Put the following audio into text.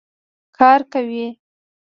کار کوي